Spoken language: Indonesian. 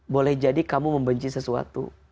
boleh jadi kamu membenci sesuatu